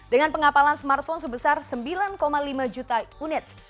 dengan pengapalan smartphone sebesar sembilan lima juta unit